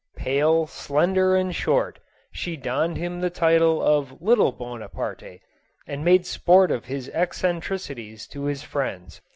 Pale, slender, and short, she donned him the title of " Little Bonaparte," and made sport of his eccentricities to his friends.